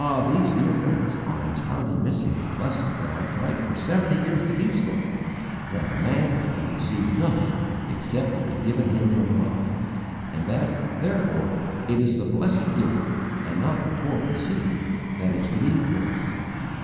these dear friends are entirely missing the lesson that I tried for seventy years to teach them,' viz., 'That a man can receive nothing except it be given him from above,' and that, therefore, it is the Blessed Giver, and not the poor receiver, that is to be glorified.